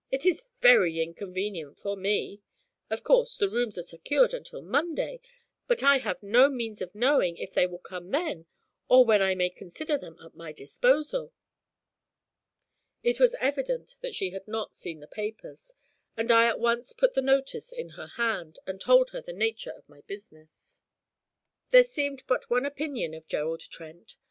It is very inconvenient for me. Of course, the rooms are secured until Monday, but I have no means of knowing if they will come then; or when I may consider them at my disposal.' It was evident she had not seen the papers, and I at once put the notice in her hand, and told her the nature of my business. There seemed but one opinion of Gerald Trent.